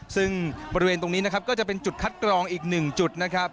ซึ่งบริเวณตรงนี้นะครับก็จะเป็นจุดคัดกรองอีก๑จุดนะครับ